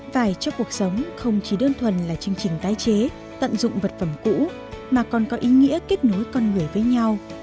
vải cho cuộc sống không chỉ đơn thuần là chương trình tái chế tận dụng vật phẩm cũ mà còn có ý nghĩa kết nối con người với nhau